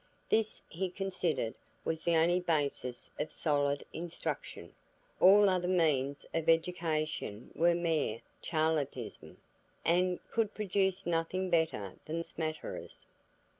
This, he considered, was the only basis of solid instruction; all other means of education were mere charlatanism, and could produce nothing better than smatterers.